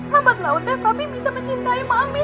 lambat lautnya papi bisa mencintai mami